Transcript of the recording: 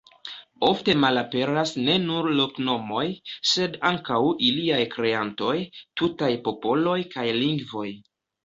Ofte malaperas ne nur loknomoj, sed ankaŭ iliaj kreantoj, tutaj popoloj kaj lingvoj.